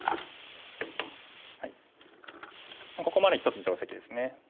ここまで一つ定石ですね。